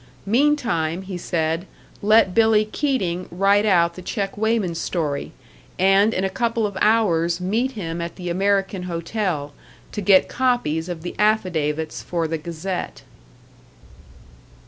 Meantime, he said, let Billy Keating write out the check weighman story, and in a couple of hours meet him at the American Hotel, to get copies of the affidavits for the Gazette.